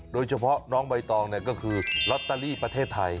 โดยเฉพาะน้องใบตองก็คือลอตเตอรี่ประเทศไทย